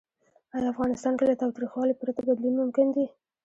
آیا افغانستان کې له تاوتریخوالي پرته بدلون ممکن دی؟